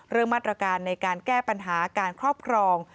เรื่องมาตรการในการแก้ปัญหาการครอบครอง